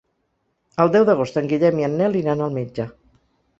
El deu d'agost en Guillem i en Nel iran al metge.